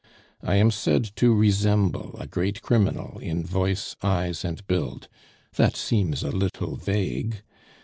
"I am said to resemble a great criminal in voice, eyes, and build; that seems a little vague.